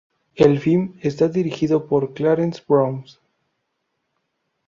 El film está dirigido por Clarence Brown.